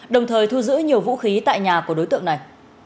đồng thời thu giữ nhiều vũ khí tại nhà của đối tượng này